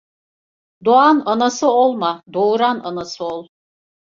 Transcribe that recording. Doğan anası olma, doğuran anası ol.